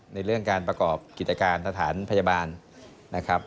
ในเรื่องการประกอบกิจการสถานพยาบาลนะครับ